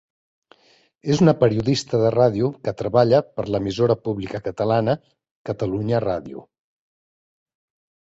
És una periodista de ràdio que treballa per l'emissora pública catalana Catalunya Ràdio.